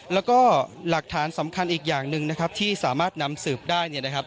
และก็หลักฐานสำคัญอีกอย่างหนึ่งที่สามารถนำสืบได้